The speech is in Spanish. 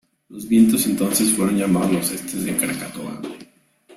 Los vientos entonces fueron llamados los "Estes de Krakatoa".